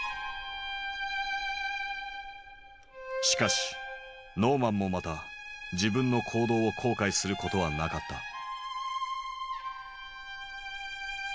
しかしノーマンもまた自分の行動を後悔することはなかった。